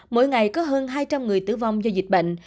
mỗi ngày có hơn hai trăm linh người tử vong do dịch bệnh